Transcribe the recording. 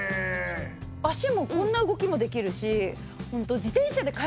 足もこんな動きもできるし。